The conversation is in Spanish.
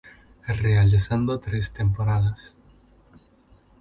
Realizando tres temporadas.